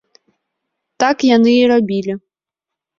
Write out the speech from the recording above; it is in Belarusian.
Так яны і рабілі.